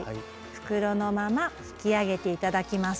袋のまま引き上げて頂きます。